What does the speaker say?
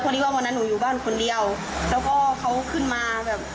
เพราะว่าอยู่บ้านคนเดียวแล้วก็เขาขึ้นมา